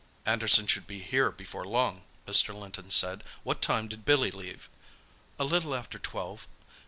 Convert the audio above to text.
"Anderson should be here before long," Mr. Linton said. "What time did Billy leave?" "A little after twelve."